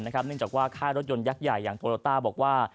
เนื่องจากว่าค่ายรถยนต์ยักษ์ใหญ่อย่างโตโลต้าบอกว่า